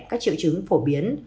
các triệu chứng phổ biến